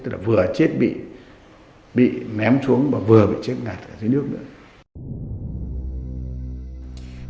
tức là vừa chết bị ném xuống và vừa bị chết ngạt ở dưới nước nữa